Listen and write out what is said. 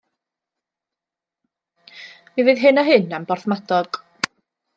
Mi fydd hyn a hyn am Borthmadog.